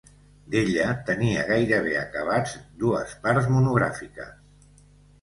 D'ella tenia gairebé acabats dues parts monogràfiques.